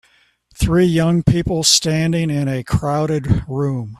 Three young people standing in a crowded room